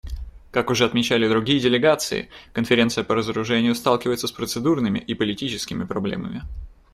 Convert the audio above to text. Как уже отмечали другие делегации, Конференция по разоружению сталкивается с процедурными и политическими проблемами.